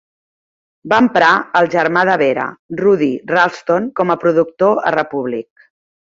Va emprar el germà de Vera, Rudy Ralston, com a productor a Republic.